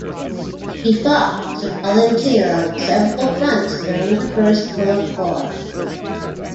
He fought as a volunteer on several fronts during the First World War.